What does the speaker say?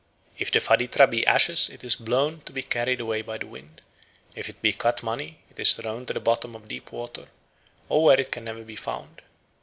If the faditra be ashes, it is blown, to be carried away by the wind. If it be cut money, it is thrown to the bottom of deep water, or where it can never be found.